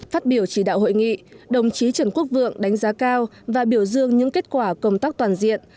phát biểu chỉ đạo hội nghị đồng chí trần quốc vượng đánh giá cao và biểu dương những kết quả công tác toàn diện